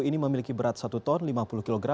ini memiliki berat satu ton lima puluh kg